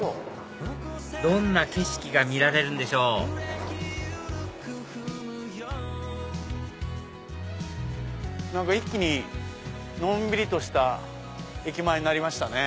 どんな景色が見られるんでしょう何か一気にのんびりとした駅前になりましたね。